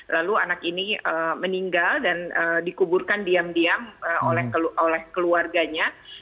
lalu anak ini meninggal dan dikuburkan diam diam oleh keluarganya